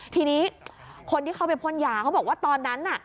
ทีนี้คนที่เข้าไปพ่นยาเขาบอกว่าตอนนั้นน่ะ